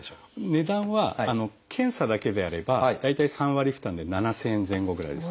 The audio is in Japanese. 値段は検査だけであれば大体３割負担で７，０００円前後ぐらいです。